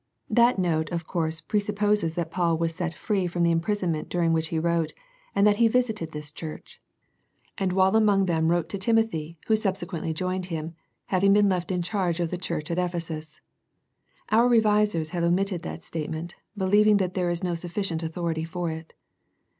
That note of course presupposes that Paul was set free from the imprisonment during which he wrote, and that he visited this church, and The Laodicea Letter 189 while among them wrote to Timothy who sub sequently joined him, having been left in charge of the church at Ephesus. Our Re visers have omitted that statement, believing that there is no sufficient authority for it.